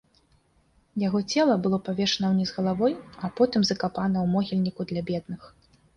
Яго цела было павешана ўніз галавой, а потым закапана ў могільніку для бедных.